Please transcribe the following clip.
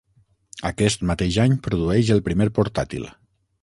Aquest mateix any produeix el primer portàtil.